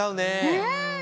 うん。